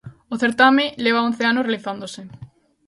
O certame leva once anos realizándose.